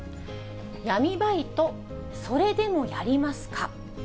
闇バイト、それでもやりますか？